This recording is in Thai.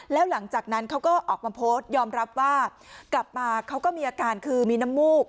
แล้วหลังจากนั้นเขาก็ออกมาโพสต์ยอมรับว่ากลับมาเขาก็มีอาการคือมีน้ำมูก